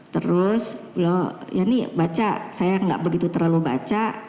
terus beliau yanni baca saya gak begitu terlalu baca